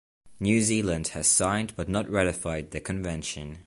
New Zealand has signed, but not ratified the convention.